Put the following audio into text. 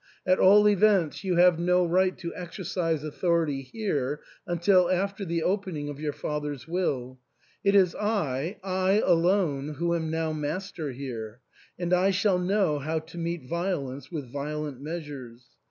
At all events, you have no right to exercise authority here until after the opening of your father's will. It is I — I alone — who am now master here ; and I shall know how to meet violence with violent measures.